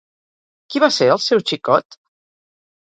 Qui va ser el seu xicot?